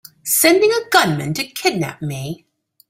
Sending a gunman to kidnap me!